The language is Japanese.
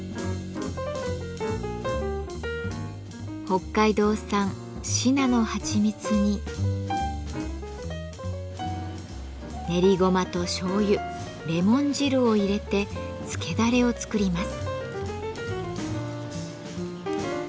北海道産しなのはちみつに練りごまとしょうゆレモン汁を入れて漬けだれを作ります。